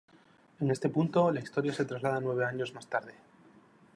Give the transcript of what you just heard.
En este punto, la historia se traslada nueve años más tarde.